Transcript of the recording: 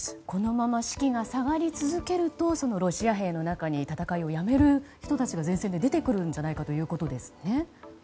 このまま士気が下がり続けるとロシア兵の中に戦いをやめる人たちが前線で出てくるんじゃないかということですね。